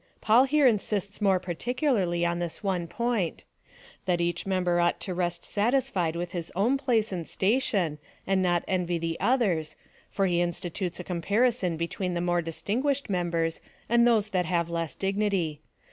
409 Paul here insist smore particularly on this one point — that ■ each member ought to rest satisfied with its own place and station, and not emT' the others, for he institutes a compa rison between the more distinguished members, and those that have less dignity.